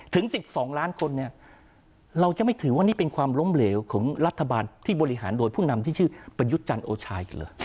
ถึง๑๒ล้านคนเนี่ยเราจะไม่ถือว่านี่เป็นความล้มเหลวของรัฐบาลที่บริหารโดยผู้นำที่ชื่อประยุทธ์จันทร์โอชากันเหรอ